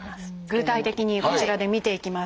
具体的にこちらで見ていきましょう。